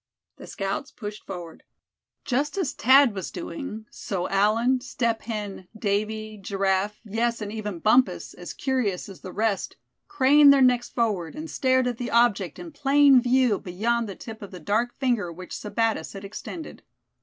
The scouts pushed forward. Just as Thad was doing, so Allan, Step Hen, Davy, Giraffe, yes, and even Bumpus, as curious as the rest, craned their necks forward, and stared at the object in plain view beyond the tip of the dark finger which Sebattis had extended.